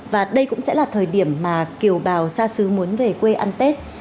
và đây cũng sẽ là thời điểm mà kiều bào xa xứ muốn về quê ăn tết